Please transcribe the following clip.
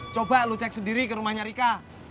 coba lo cek sendiri ke rumahnya rika